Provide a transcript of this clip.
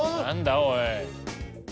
おい。